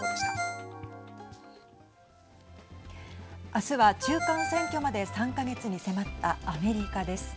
明日は、中間選挙まで３か月に迫ったアメリカです。